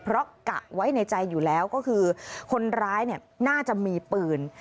เพราะกะไว้ในใจอยู่แล้วก็คือคนร้ายน่าจะมีปืน